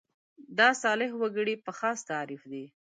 دا صالح وګړي په خاص تعریف دي.